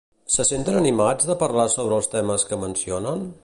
Se senten animats de parlar sobre els temes que mencionen?